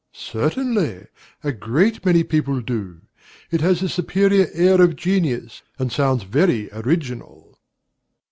Certainly: a great many people do. It has the superior air of genius, and sounds very original.